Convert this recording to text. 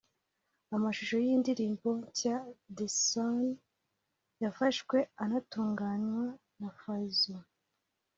Amashusho y’iyi ndirimbo nshya The Son yafashwe anatunganywa na Fayzo